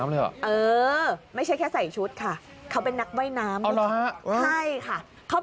ขึ้นมาเองอะเอ้า